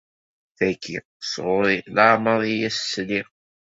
Tagi, sɣuṛ-i! Laɛmeṛ i yas-sliɣ.